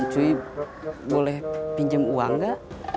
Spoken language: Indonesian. cuy boleh pinjem uang gak